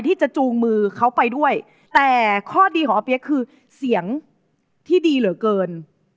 จูงมือเขาไปด้วยแต่ข้อดีของอาเปี๊ยกคือเสียงที่ดีเหลือเกิน